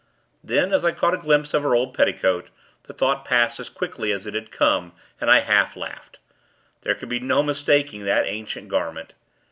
Then, as I caught a glimpse of her old petticoat, the thought passed as quickly as it had come, and I half laughed. There could be no mistaking that ancient garment.